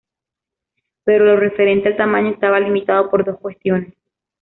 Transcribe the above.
Pero lo referente al tamaño estaba limitado por dos cuestiones.